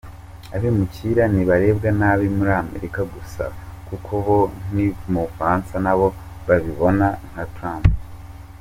Abimukira ntibarebwa nabi muri Amerika gusa kuko no mu Bufaransa nabo babibona nka Trump.